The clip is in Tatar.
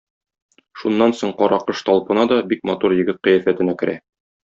Шуннан соң Каракош талпына да бик матур егет кыяфәтенә керә.